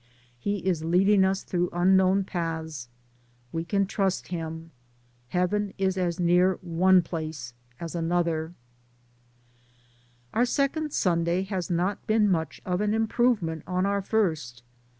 He is leading us through unknown paths. We can trust Him. Heaven is as near one place as another. 42 DAYS ON THE ROAD. Our second Sunday has not been much of an improvement on our first.